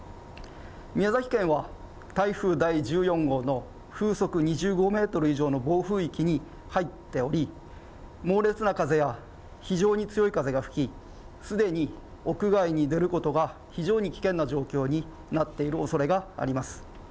宮崎県は台風第１４号の風速２５メートル以上の暴風域に入っており、猛烈な風や非常に強い風が吹き、すでに屋外に出ることが非常に危険な状況になっているおそれがあります。